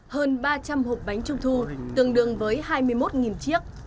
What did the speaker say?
hơn ba trăm linh hộp bánh trung thu tương đương với hai mươi một chiếc